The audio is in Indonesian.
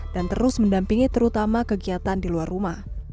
terus mendampingi terutama kegiatan di luar rumah